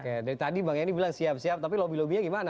oke dari tadi bang yani bilang siap siap tapi lobby lobbynya gimana